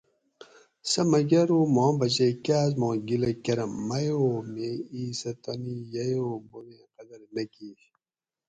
سہ مکہ ارو ماں بچئ کاۤس ما گیلہ کرم مئ او میں ایسہ تانی ییو بوبیں قدر نہ کِیش